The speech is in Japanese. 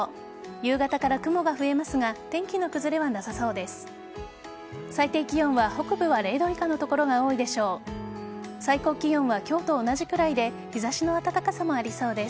夕方から雲が増えますが天気の崩れはなさそうです。